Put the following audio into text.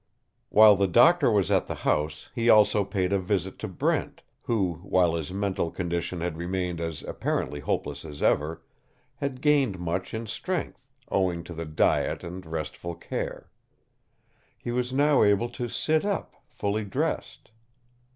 While the doctor was at the house he also paid a visit to Brent, who, while his mental condition had remained as apparently hopeless as ever, had gained much in strength, owing to the diet and restful care. He was now able to sit up, fully dressed.